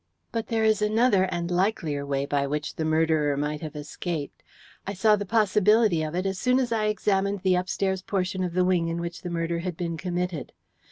"But there is another and likelier way by which the murderer might have escaped. I saw the possibility of it as soon as I examined the upstairs portion of the wing in which the murder had been committed.